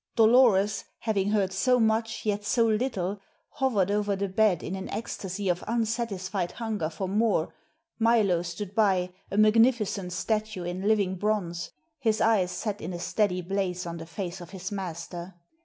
Dolores, having heard so much, yet so little, hovered over the bed in an ecstasy of unsatisfied hunger for more; Milo stood by, a magnificent statue in living bronze, his eyes set in a steady blaze on the face of his master.